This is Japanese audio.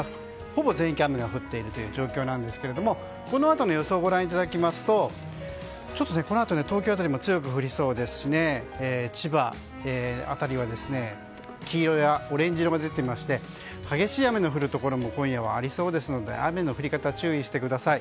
ほぼ全域、雨が降っている状況ですがこのあとの予想をご覧いただきますとこのあと東京辺りも強く降りそうですし千葉辺りは黄色やオレンジ色が出ていまして激しい雨の降るところも今夜はありそうですので雨の降り方に注意してください。